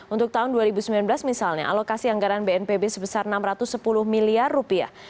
untuk tahun dua ribu sembilan belas misalnya alokasi anggaran bnpb sebesar enam ratus sepuluh miliar rupiah